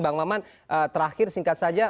bang maman terakhir singkat saja